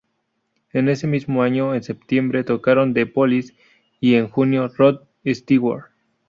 En ese mismo año, en septiembre, tocaron The Police y en junio Rod Stewart.